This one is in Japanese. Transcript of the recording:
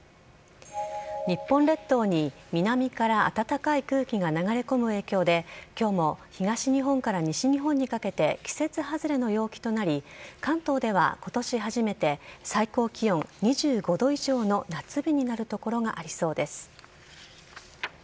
日本列島に南から暖かい空気が流れ込む影響で、きょうも東日本から西日本にかけて、季節外れの陽気となり、関東ではことし初めて、最高気温２５度以上の夏日になる所がありそうです。